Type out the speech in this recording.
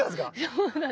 そうだね。